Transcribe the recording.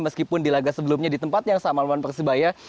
meskipun di laga sebelumnya di tempat yang sama melawan persebaya